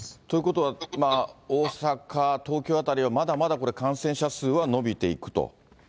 ということは、大阪、東京あたりはまだまだこれ、感染者数は伸びていくと？